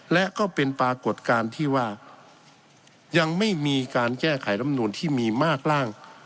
และก็เป็นปรากฏการณ์ที่ว่ายังไม่มีการแก้ไขรำนูนที่มีมากร่าง